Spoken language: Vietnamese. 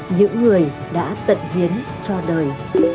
những người đã tận hiến cho đời